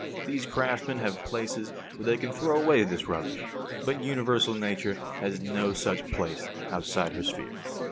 These craftsmen have places where they can throw away this rubbish, but universal Nature has no such place outside her sphere.